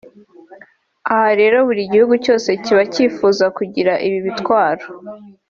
Aha rero buri gihugu cyose kiba kifuza kugira ibi bitwaro